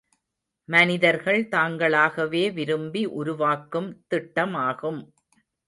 மனிதர்கள் தாங்களாகவே விரும்பி உருவாக்கும் திட்டமாகும்.